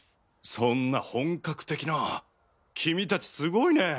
そんな本格的な君達すごいね！